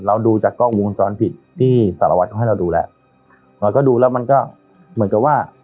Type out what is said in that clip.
ดูจากกล้องวงจรปิดที่สารวัตรเขาให้เราดูแล้วเราก็ดูแล้วมันก็เหมือนกับว่า